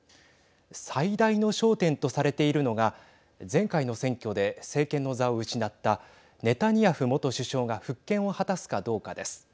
最大の焦点とされているのが前回の選挙で政権の座を失ったネタニヤフ元首相が復権を果たすかどうかです。